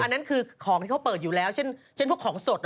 นั่นคือของที่เขาเปิดอยู่แล้วเช่นพวกของสด